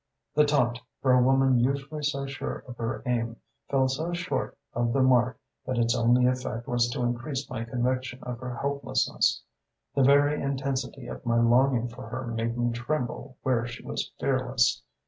"The taunt, for a woman usually so sure of her aim, fell so short of the mark that its only effect was to increase my conviction of her helplessness. The very intensity of my longing for her made me tremble where she was fearless.